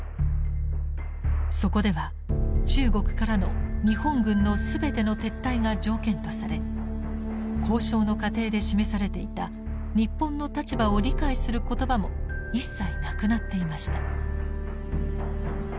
そこでは中国からの日本軍の全ての撤退が条件とされ交渉の過程で示されていた日本の立場を理解する言葉も一切なくなっていました。